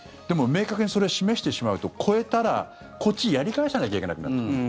でも、明確にそれを示してしまうと越えたらこっちにやり返さなきゃいけなくなってくる。